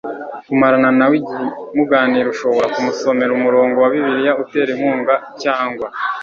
kumarana na we igihe muganira Ushobora kumusomera umurongo wa Bibiliya utera inkunga cyangwa